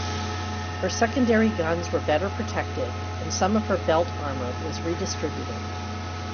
Her secondary guns were better protected and some of her belt armour was redistributed.